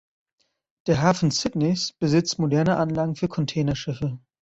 Der Hafen Sydneys besitzt moderne Anlagen für Containerschiffe.